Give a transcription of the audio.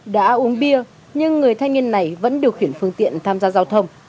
đã uống bia nhưng người thanh niên này vẫn điều khiển phương tiện tham gia giao thông